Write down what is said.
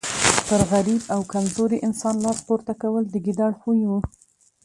پر غریب او کمزوري انسان لاس پورته کول د ګیدړ خوی وو.